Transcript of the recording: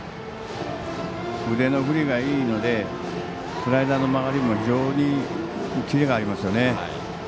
腕の振りがいいのでスライダーの曲がりも非常にキレがありますよね。